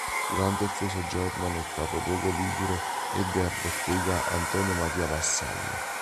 Durante il suo soggiorno nel capoluogo ligure ebbe a bottega Antonio Maria Vassallo.